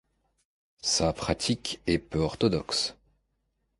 Sa pratique est peu orthodoxe.